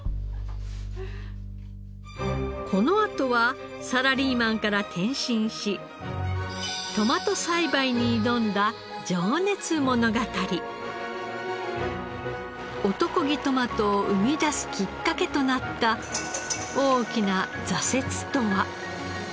このあとはサラリーマンから転身し男気トマトを生み出すきっかけとなった大きな挫折とは？